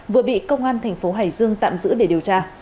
vừa bị công an thành phố hải dương tạm giữ để điều tra